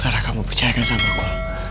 clara kamu percayakan sama aku